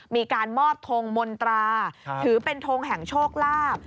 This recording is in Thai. มีการมอบทงมนตราถือเป็นทงแห่งโชคลาภ